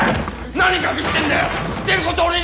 何隠してんだよッ！